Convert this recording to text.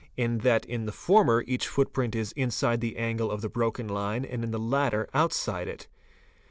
in that in the former each footprint is inside the angle of — the broken line and in the latter outside it.